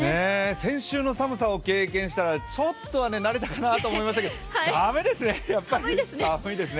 先週の寒さを経験したので、ちょっとは慣れたかなと思いましたが、駄目ですね、やっぱり寒いですね。